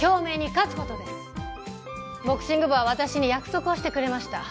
ボクシング部は私に約束をしてくれました。